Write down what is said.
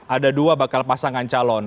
ada dua bakal pasangan calon